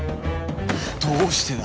どうしてだ？